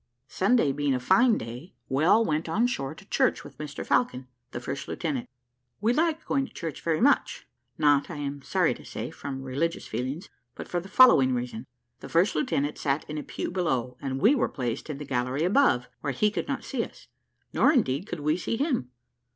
Sunday being a fine day, we all went on shore to church with Mr Falcon, the first lieutenant. We liked going to church very much; not, I am sorry to say, from religious feelings, but for the following reason: the first lieutenant sat in a pew below, and we were placed in the gallery above, where he could not see us, nor indeed could we see him.